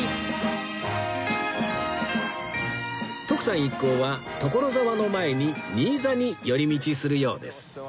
徳さん一行は所沢の前に新座に寄り道するようです